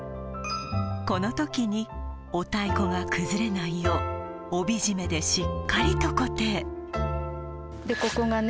このときにお太鼓が崩れないよう帯締めでしっかりと固定でここがね